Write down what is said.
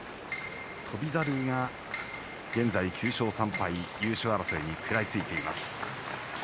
翔猿は現在９勝３敗優勝争いに食らいついています。